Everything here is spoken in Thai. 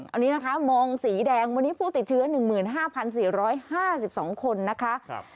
อันนี้นะคะมองสีแดงวันนี้ผู้ติดเชื้อ๑๕๔๕๒คนนะคะ